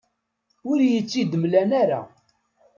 Ur iyi-tt-id-mlan ara.